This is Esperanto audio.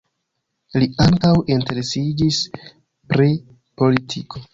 Li ankaŭ interesiĝis pri politiko.